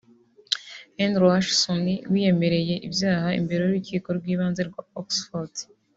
Andrew Hutchinson wiyemereye ibyaha imbere y’urukiko rw’ibanze rwa Oxford